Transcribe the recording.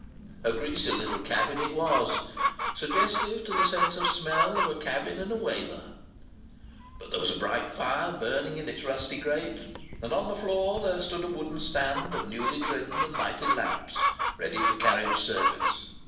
A greasy little cabin it was, suggestive to the sense of smell, of a cabin in a Whaler. But there was a bright fire burning in its rusty grate, and on the floor there stood a wooden stand of newly trimmed and lighted lamps, ready for carriage service.